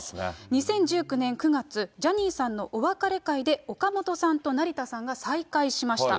２０１９年９月、ジャニーさんのお別れ会で、岡本さんと成田さんが再会しました。